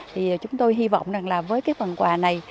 thì chúng tôi hy vọng rằng là với cái phần quà này